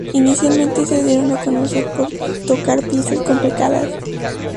Inicialmente se dieron a conocer por tocar piezas complicadas.